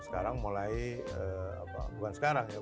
sekarang mulai bukan sekarang ya